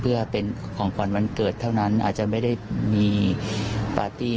เพื่อเป็นของขวัญวันเกิดเท่านั้นอาจจะไม่ได้มีปาร์ตี้